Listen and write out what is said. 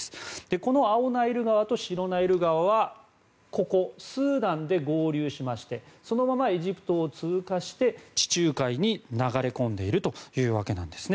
この青ナイル川と白ナイル川はスーダンで合流しましてそのままエジプトを通過して地中海に流れ込んでいるというわけなんですね。